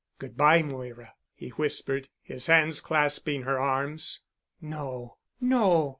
"Good bye, Moira," he whispered, his hands clasping her arms. "No, no.